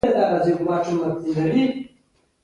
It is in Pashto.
ارجنټاین د غنمو او جوارو تولیدونکي هېوادونه دي.